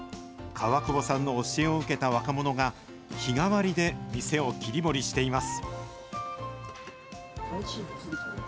川久保さんの教えを受けた若者が、日替わりで店を切り盛りしています。